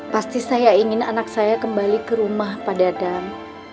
pasti saya ingin anak saya kembali ke rumah pak dadang